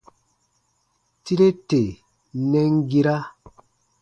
Tire tè nɛn gia.